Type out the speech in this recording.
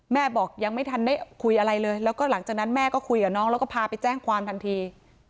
แม่บอกยังไม่ทันได้คุยอะไรเลยแล้วก็หลังจากนั้นแม่ก็คุยกับน้องแล้วก็พาไปแจ้งความทันที